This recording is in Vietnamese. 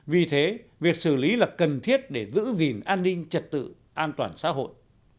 vì thế việc xử lý là cần thiết để giữ gìn an ninh trật tự an toàn xã hội